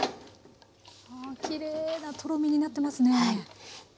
あきれいなとろみになってますね。